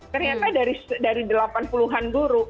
ternyata dari delapan puluhan guru